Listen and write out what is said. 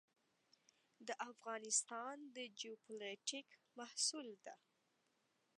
د افغانستان د جیوپولیټیک محصول ده.